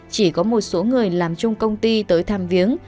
chỉ có một số người làm chung công ty tới tham viếng